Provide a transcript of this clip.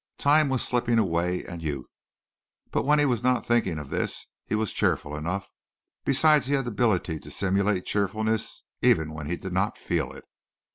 Time was slipping away and youth. But when he was not thinking of this he was cheerful enough. Besides he had the ability to simulate cheerfulness even when he did not feel it.